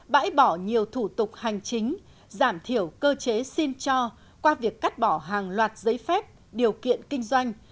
bãi bỏ nhiều thủ tục hành chính giảm thiểu cơ chế xin cho qua việc cắt bỏ hàng loạt giấy phép điều kiện kinh doanh